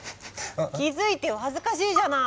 気付いてよ恥ずかしいじゃない！